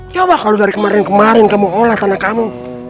coba kalau dari kemarin kemarin kamu olah tanah kamu